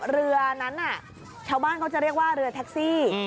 เรือนั้นน่ะชาวบ้านเขาจะเรียกว่าเรือแท็กซี่